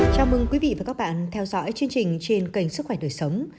chào mừng quý vị và các bạn theo dõi chương trình trên kênh sức khỏe đời sống